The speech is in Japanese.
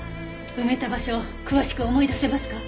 埋めた場所詳しく思い出せますか？